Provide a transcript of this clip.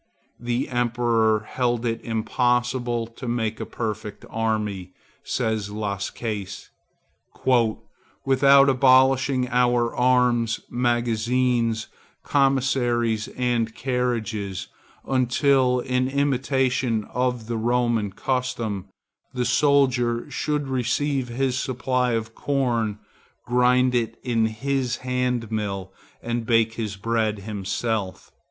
The Emperor held it impossible to make a perfect army, says Las Cases, "without abolishing our arms, magazines, commissaries and carriages, until, in imitation of the Roman custom, the soldier should receive his supply of corn, grind it in his hand mill, and bake his bread himself."